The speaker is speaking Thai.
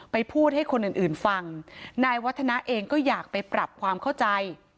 พูดให้คนอื่นอื่นฟังนายวัฒนาเองก็อยากไปปรับความเข้าใจ